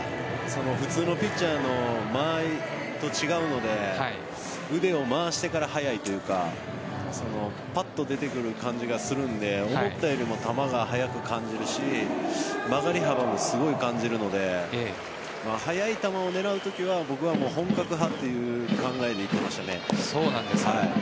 普通のピッチャーの間合いと違うので腕を回してから早いというかパッと出てくる感じがするので思ったよりも球が速く感じるし曲がり幅もすごい感じるので速い球を狙う時は僕は本格派という考えでいっていましたね。